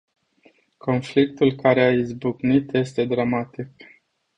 Conflictul care a izbucnit este dramatic.